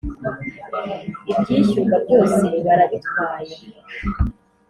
Ibyishyurwa byose barabitwaye